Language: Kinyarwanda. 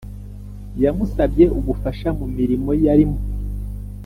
yamusabye ubufasha mu mirirmo yarimo